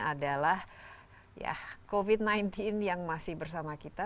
adalah covid sembilan belas yang masih bersama kita